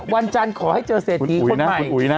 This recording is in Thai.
วันจันทร์ขอให้เจอเศรษฐีคนใหม่